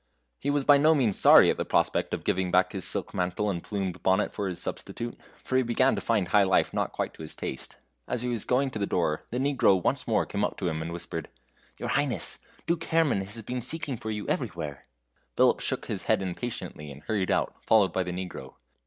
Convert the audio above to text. He was by no means sorry at the prospect of giving back his silk mantle and plumed bonnet to his substitute, for he began to find high life not quite to his taste. As he was going to the door, the Negro once more came up to him, and whispered: "Your Highness, Duke Herrman is seeking for you everywhere." Philip shook his head impatiently and hurried out, followed by the Negro.